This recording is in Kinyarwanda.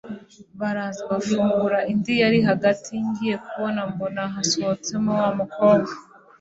baraza bafungura indi yari hagati, ngiye kubona mbona hasohotsemo wamukobwa